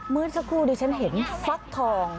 เมื่อสักครู่ดิฉันเห็นฟักทอง